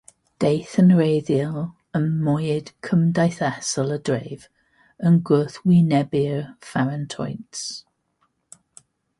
Daeth yn weithredol ym mywyd cymdeithasol y dref, yn gwrthwynebu'r pharaniotes.